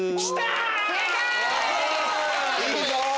いいぞ！